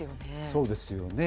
そうですよね。